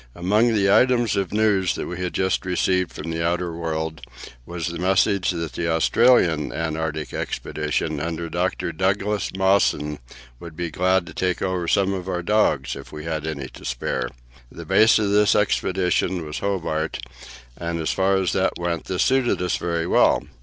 Among the items of news that we had just received from the outer world was the message that the Australian Antarctic Expedition under Dr. Douglas Mawson would be glad to take over some of our dogs, if we had any to spare. The base of this expedition was Hobart, and as far as that went, this suited us very well.